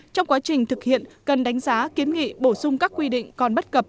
trong quá trình thực hiện cần đánh giá kiến nghị bổ sung các quy định còn bất cập